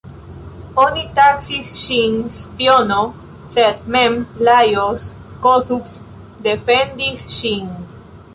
Oni taksis ŝin spiono, sed mem Lajos Kossuth defendis ŝin.